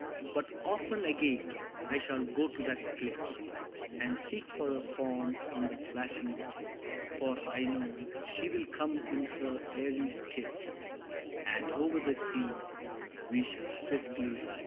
But often again I shall go to that cliff, And seek for her form on the flashing tide, For I know she will come in her airy skiff, And over the sea we shall swiftly ride!